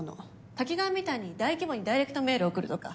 タキガワみたいに大規模にダイレクトメール送るとか。